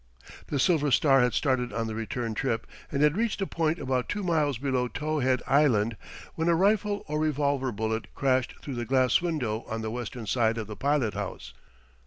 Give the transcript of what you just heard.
The Silver Star had started on the return trip and had reached a point about two miles below Towhead Island when a rifle or revolver bullet crashed through the glass window on the western side of the pilot house.